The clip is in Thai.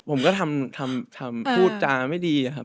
ผมก็ทำพูดจาไม่ดีนะครับ